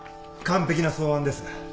完璧な草案です。